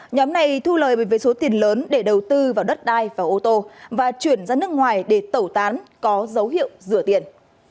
nhóm này thu lời về số tiền lớn để đầu tư vào đất đai và ô tô và chuyển ra nước ngoài để tẩu tán có dấu hiệu rửa tiền